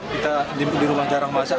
kita di rumah jarang basah